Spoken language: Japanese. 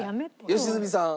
良純さん。